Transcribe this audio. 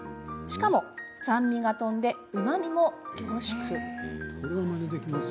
しかも、酸味が飛んでうまみも凝縮。